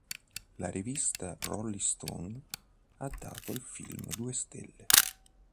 La rivista "Rolling Stone" ha dato al film due stelle.